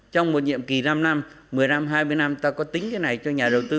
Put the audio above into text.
trong một nhiệm kỳ năm năm một mươi năm hai mươi năm ta có tính cái này cho nhà đầu tư